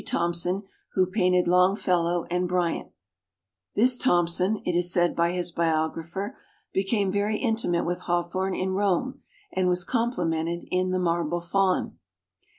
Thompson who painted Longfellow and Bryant. This Thompson, it is said by his biographer, became very intimate with Hawthorne in Rome and was complimented in "The Marble Faun".